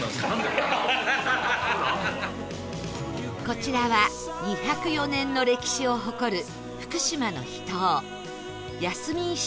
こちらは２０４年の歴史を誇る福島の秘湯